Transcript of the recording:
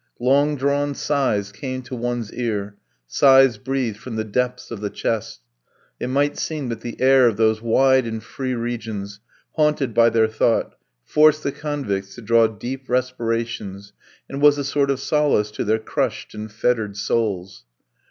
Long drawn sighs came to one's ear, sighs breathed from the depths of the chest; it might seem that the air of those wide and free regions, haunted by their thought, forced the convicts to draw deep respirations, and was a sort of solace to their crushed and fettered souls.